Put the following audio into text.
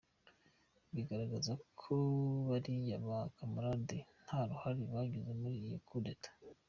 Bigaragaza ko baliya ba camarade nta ruhali bagize muli iyo coup d’état.